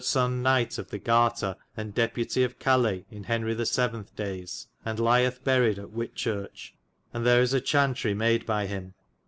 sonn Knyght of the Gartar and Depute of Calays in Henry the 7. dayes, and lyeth buried at White churche, and there is a chauntery made by hym.